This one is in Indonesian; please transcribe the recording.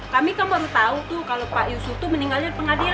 kami kan baru tahu tuh kalau pak yusuf tuh meninggalin pengadilan